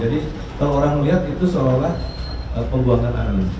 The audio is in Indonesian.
jadi kalau orang melihat itu seolah olah pembuangan air